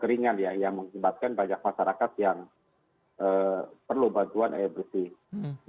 karena itu ada kekeringan yang menyebabkan banyak masyarakat yang perlu bantuan air bersih